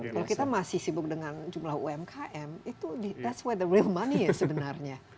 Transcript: kalau kita masih sibuk dengan jumlah umkm itu the real money ya sebenarnya